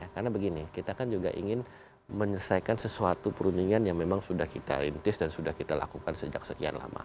karena begini kita kan juga ingin menyelesaikan sesuatu perundingan yang memang sudah kita rintis dan sudah kita lakukan sejak sekian lama